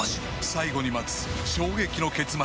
最後に待つ衝撃の結末